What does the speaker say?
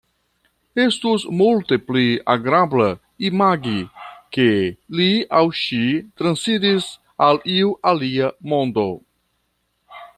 Estus multe pli agrable imagi, ke li aŭ ŝi transiris al iu alia mondo.